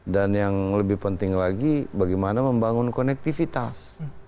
dan yang lebih penting lagi bagaimana membangun konektivitas